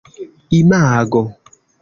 imago